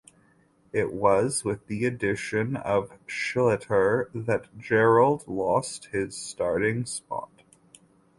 It was with the addition of Schlichter that Gerald lost his starting spot.